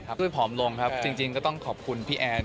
เวลาผอมลงจริงจะต้องขอบคุณพี่แอน